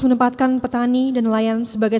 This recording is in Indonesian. menempatkan petani dan nelayan sebagai